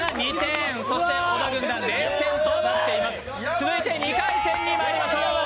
続いて２回戦にまいりましょう。